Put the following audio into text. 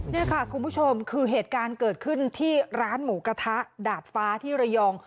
นี่ค่ะคุณผู้ชมคือเหตุการณ์เกิดขึ้นที่ร้านหมูกระทะดาดฟ้าที่ระยอง